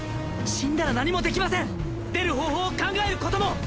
死んだら何もできません出る方法を考えることも！